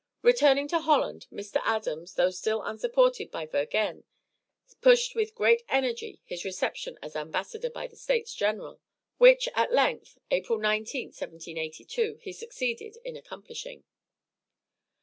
Returning to Holland Mr. Adams, though still unsupported by Vergennes, pushed with great energy his reception as embassador by the States general, which at length, April 19th, 1782, he succeeded in accomplishing.